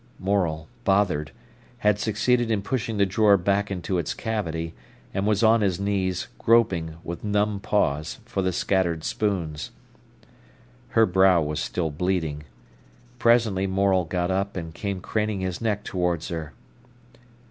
Morel, bothered, had succeeded in pushing the drawer back into its cavity, and was on his knees, groping, with numb paws, for the scattered spoons. Her brow was still bleeding. Presently Morel got up and came craning his neck towards her.